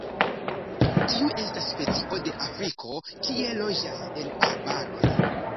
Tiu estas specio de Afriko kie loĝas en arbaroj.